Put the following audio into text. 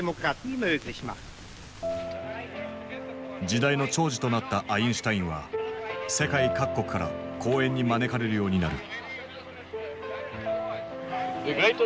時代の寵児となったアインシュタインは世界各国から講演に招かれるようになる。